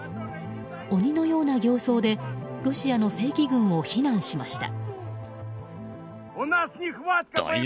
鬼のような形相でロシアの正規軍を非難しました。